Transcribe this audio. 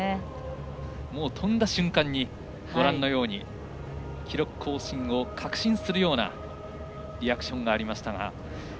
跳んだ瞬間に記録更新を確信するようなリアクションがありました。